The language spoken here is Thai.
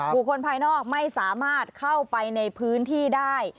บุคคลภายนอกไม่สามารถเข้าไปในพื้นที่ได้